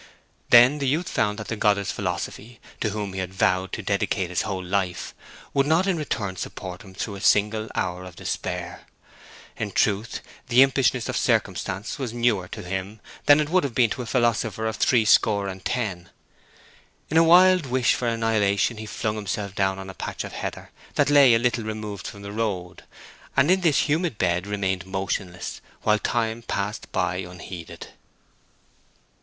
Then the youth found that the goddess Philosophy, to whom he had vowed to dedicate his whole life, would not in return support him through a single hour of despair. In truth, the impishness of circumstance was newer to him than it would have been to a philosopher of threescore and ten. In a wild wish for annihilation he flung himself down on a patch of heather that lay a little removed from the road, and in this humid bed remained motionless, while time passed by unheeded.